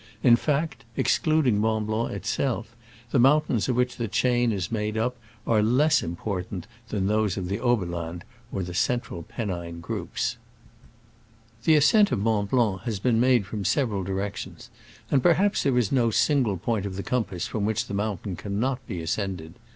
In fact, exclud ing Mont Blanc itself, the mountains of which the chain is made up are less im portant than those of the Oberland and the central Pennine groups. 7 The ascent of Mont Blanc has been made from several directions, and per haps there is no single point of the com pass from which the mountain cannot be ascended.